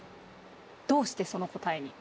どうしてその答えに？